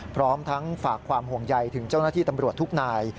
พร้อมทั้งฝากความห่วงใยถึงเจ้าหน้าที่ตำรวจทุกนาย